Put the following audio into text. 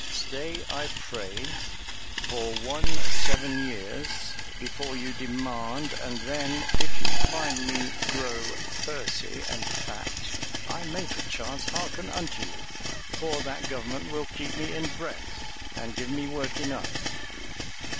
Stay, I pray, for one seven years, before you demand; and then, if you find me grow pursy and fat, I may perchance hearken unto you. For that government will keep me in breath, and give me work enough."